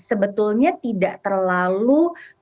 sebetulnya tidak terlalu